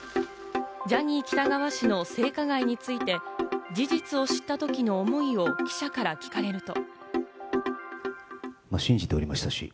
ジャニー喜多川氏の性加害について、事実を知ったときの思いを記者から聞かれると。